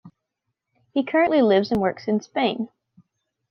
He currently lives and works in Spain.